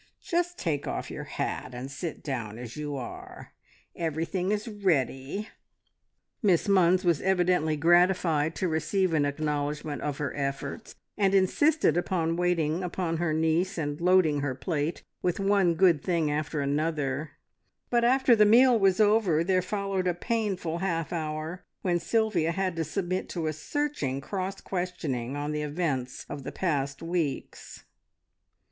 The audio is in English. Just take off your hat, and sit down as you are. Everything is ready." Miss Munns was evidently gratified to receive an acknowledgment of her efforts, and insisted upon waiting upon her niece and loading her plate with one good thing after another; but after the meal was over there followed a painful half hour, when Sylvia had to submit to a searching cross questioning on the events of the past weeks.